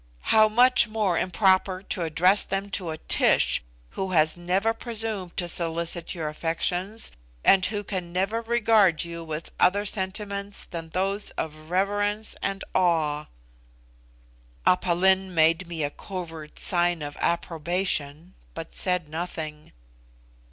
How much more improper to address them to a Tish, who has never presumed to solicit your affections, and who can never regard you with other sentiments than those of reverence and awe!" Aph Lin made me a covert sing of approbation, but said nothing.